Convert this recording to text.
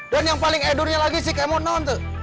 dan yang paling edurnya lagi si kemot neng tuh